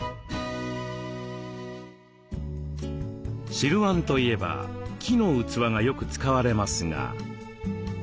汁わんといえば木の器がよく使われますが。